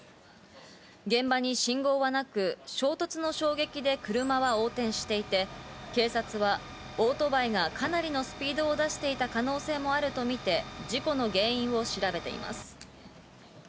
現場に信号はなく衝突の衝撃で車は横転していて、警察はオートバイがかなりのスピードを出していた可能性もあるとみて事故の原因を調べています。